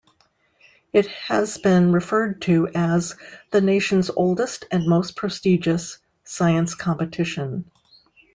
It has been referred to as "the nation's oldest and most prestigious" science competition.